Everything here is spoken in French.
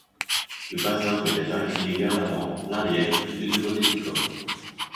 Le bassin peut être incliné vers l'avant, l'arrière ou les deux côtés du corps.